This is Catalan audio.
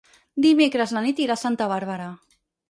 Dimecres na Nit irà a Santa Bàrbara.